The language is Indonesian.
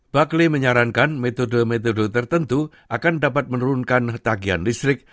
buckley menyarankan metode metode tertentu akan dapat menurunkan tagian listrik